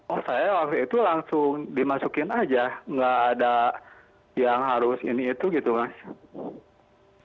oh saya waktu itu langsung dimasukin aja nggak ada yang harus ini itu gitu mas